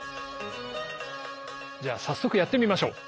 じゃあ早速やってみましょう。